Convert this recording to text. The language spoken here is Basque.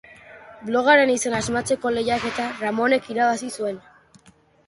Blogaren izena asmatzeko lehiaketa Ramonek irabazi zuen.